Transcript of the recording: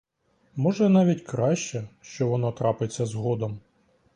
Може, навіть краще, що воно трапиться згодом.